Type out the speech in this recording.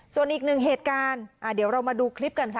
ส่วนอีกหนึ่งเหตุการณ์เดี๋ยวเรามาดูคลิปกันค่ะ